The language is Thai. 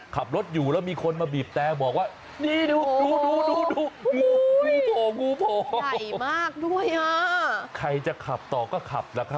ขับรถอยู่แล้วมีคนมาบีบแต่บอกว่า